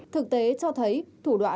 thực tế cho thấy thủ đoạn mua